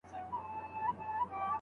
استاد او شاګرد باید مزاجي همغږي ولري.